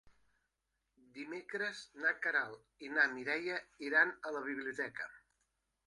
Dimecres na Queralt i na Mireia iran a la biblioteca.